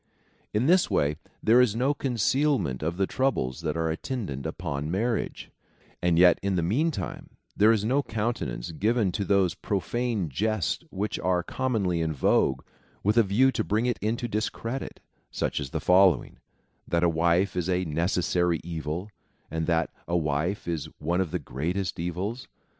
In this way, there is no concealment of the troubles that are attendant upon marriage ; and yet, in the meantime, there is no countenance given to those profane jests which are commonly in vogue with a view to bring it into discredit, such as the following : that' a wife is a necessary evil, and that a wife is one of the greatest evils.